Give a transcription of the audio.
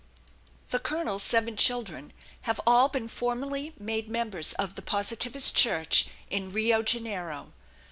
The colonel's seven children have all been formally made members of the Positivist Church in Rio Janeiro.